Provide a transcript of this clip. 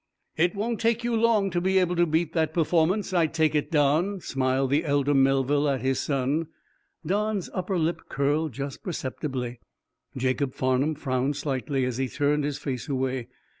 "It won't take you long to be able to beat that performance, I take it, Don," smiled the elder Melville at his Son. Don's upper lip curled just perceptibly. Jacob Farnum frowned slightly, as he turned his face away.